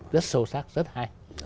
rất sâu sắc rất hay